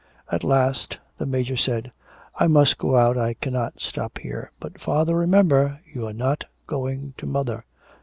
At last the Major said: 'I must go out; I cannot stop here.' 'But, father, remember... you are not going to mother.'